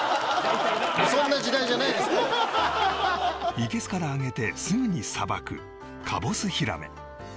いけすからあげてすぐにさばくかぼすヒラメ